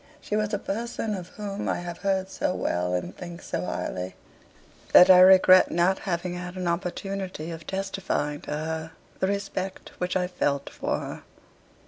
She was a person of whom I have heard so well and think so highly, that I regret not having had an opportunity of testifying to her the respect which I felt for her.'